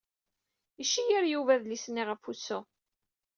Iceyyer Yuba adlis-nni ɣef usu.